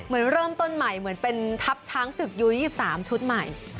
เหมือนเริ่มต้นใหม่เหมือนเป็นทัพช้างศึกยู๒๓ชุดใหม่